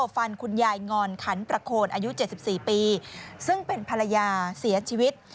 ฟันคุณยายงอนขันประโคนอายุ๗๔ปีซึ่งเป็นภรรยาเสียชีวิต